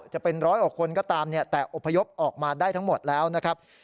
จะเป็นร้อยกว่าคนก็ตามแต่อพยพออกมาได้ทั้งหมดแล้วนะครับ